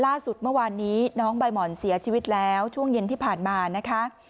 ล่าสุดเมื่อวานนี้น้องใบหมอนเสียชีวิตแล้วช่วงเย็นที่ผ่านมานะคะ